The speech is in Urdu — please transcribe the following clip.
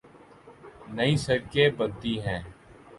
نئی سڑکیں بنتی ہیں۔